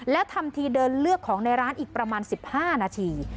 แล้วทำทีเดินเลือกของในร้านอีกประมาณ๑๕นาที